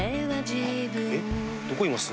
えっどこいます？